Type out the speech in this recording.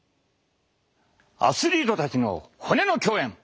アスリートたちの骨の競演！